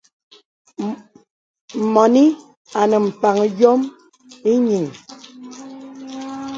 Mɔnì anə mpaŋ yòm ìyiŋ.